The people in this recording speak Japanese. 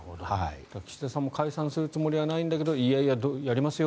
岸田さんも解散するつもりはないんだけどいやいや、やりますよ